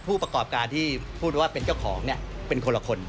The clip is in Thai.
ผู้ประกอบการที่พูดว่าเป็นเจ้าของเป็นคนละคน